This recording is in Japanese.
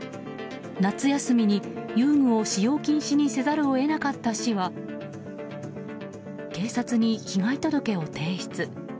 夏休みに遊具を使用禁止にせざるを得なかった市は警察に被害届を提出。